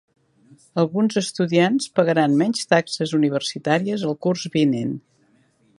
Alguns estudiants pagaran menys taxes universitàries el curs vinent